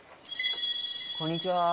こんにちは。